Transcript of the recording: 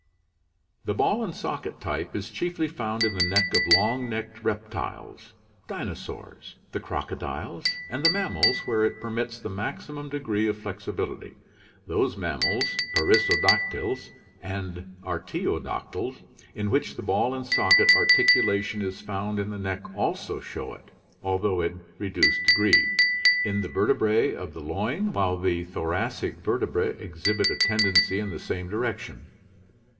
The ball and socket type is chiefly found in the neck of long necked reptiles (dinosaurs), the crocodiles and the mammals, where it permits the maximum degree of flexibility. Those mam mals (perissodactyls and artiodactyls) in which the ball and socket articulation is found in the neck also show it, although in reduced degree, in the vertebrae of the loin, while the thoracic vertebrae exhibit a tendency in the same direction.